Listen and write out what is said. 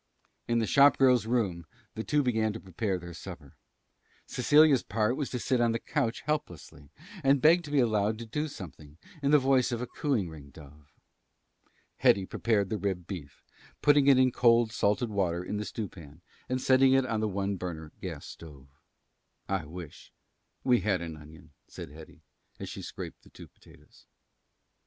In the shop girl's room the two began to prepare their supper. Cecilia's part was to sit on the couch helplessly and beg to be allowed to do something, in the voice of a cooing ring dove. Hetty prepared the rib beef, putting it in cold salted water in the stew pan and setting it on the one burner gas stove. "I wish we had an onion," said Hetty, as she scraped the two potatoes.